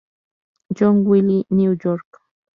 Jhon Wiley, New York.